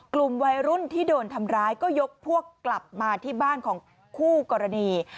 กลุ่มวัยรุ่นที่โดนทำร้ายก็ยกพวกกลับมาที่บ้านของคู่กรณี